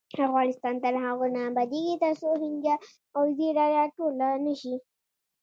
افغانستان تر هغو نه ابادیږي، ترڅو هینجه او زیره راټوله نشي.